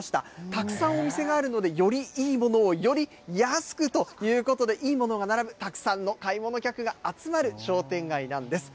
たくさんお店があるので、よりいいものをより安くということで、いいものが並ぶ、たくさんの買い物客が集まる商店街なんです。